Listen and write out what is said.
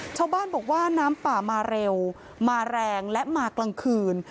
ชาวบ้านบอกว่าน้ำป่ามาเร็วมาแรงและมากลางคืน